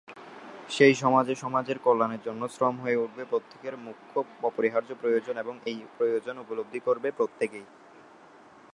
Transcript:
সেই সমাজে সমাজের কল্যাণের জন্য শ্রম হয়ে উঠবে প্রত্যেকের মুখ্য অপরিহার্য প্রয়োজন এবং এই প্রয়োজন উপলব্ধি করবে প্রত্যেকেই।